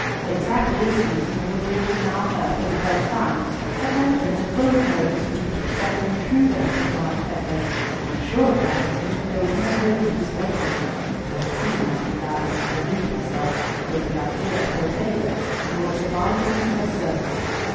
It was after this meeting, of which Richard now heard for the first time, that Langston had fully told his belief respecting the true birth of Bride Hepburn, and assured Babington that there was no hope of his wedding her, though the Queen might allow him to delude himself with the idea of her favour in order to bind him to her service.